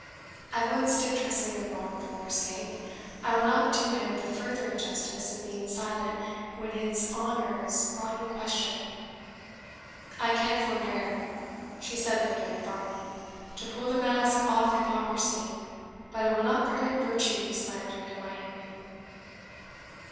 I once did Tressilian wrong for your sake; I will not do him the further injustice of being silent when his honour is brought in question. I can forbear," she said, looking at Varney, "to pull the mask off hypocrisy, but I will not permit virtue to be slandered in my hearing."